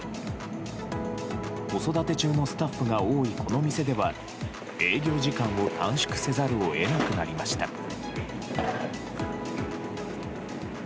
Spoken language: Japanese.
子育て中のスタッフが多いこの店では営業時間を短縮せざるを得なくなりました。